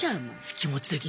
気持ち的に。